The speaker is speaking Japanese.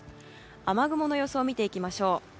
雨雲の予想を見ていきましょう。